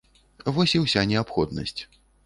Вось і ўся неабходнасць.